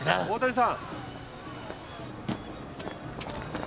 大谷さん。